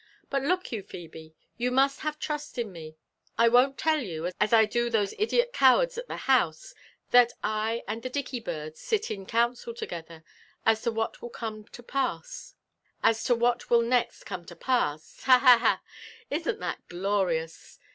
But look you, Phebe, you must have trust in me. I won't tell you, as I do those idiot cowards at the house, that I and the dicky birds sit in council together as to what will next come to pass — ha ! ha ! ha !— Isn't that glorious?